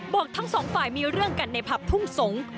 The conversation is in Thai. บอกทั้งสองฝ่ายมีเรื่องกันในผับทุ่งสงศ์